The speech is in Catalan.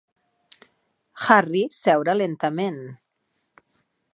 Harry seure lentament.